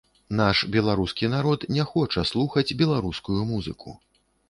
Наш беларускі народ не хоча слухаць беларускую музыку.